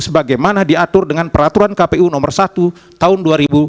sebagaimana diatur dengan peraturan kpu nomor satu tahun dua ribu dua puluh